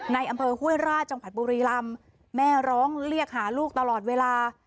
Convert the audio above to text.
ในอำเภอห้วยราชจังหวัดบุรีลำแม่ร้องเรียกหาลูกตลอดเวลา